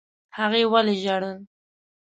هغې ولي ژړل؟